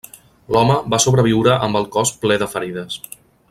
L'home va sobreviure amb el cos ple de ferides.